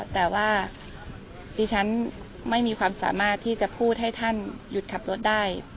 แต่ว่าดิฉันไม่มีความสามารถที่จะพูดให้ท่านหยุดขับรถได้